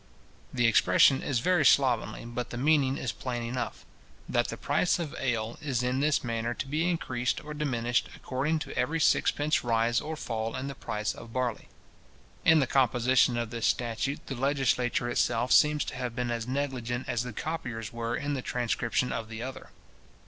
The expression is very slovenly, but the meaning is plain enough, "that the price of ale is in this manner to be increased or diminished according to every sixpence rise or fall in the price of barley." In the composition of this statute, the legislature itself seems to have been as negligent as the copiers were in the transcription of the other.